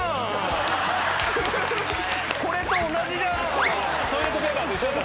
これと同じじゃん。